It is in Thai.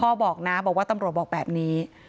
บอกนะบอกว่าตำรวจบอกแบบนี้